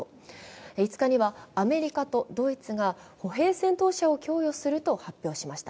５日にちはアメリカとドイツが歩兵戦闘車を供与すると発表しました。